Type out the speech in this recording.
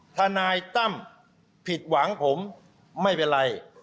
ทนายตั้มผิดหวังผมไม่เป็นไร